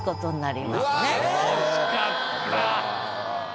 惜しかった。